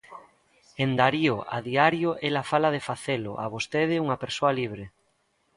En Darío a diario ela fala de facelo a vostede unha persoa libre.